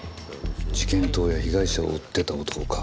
事件当夜被害者を追ってた男か。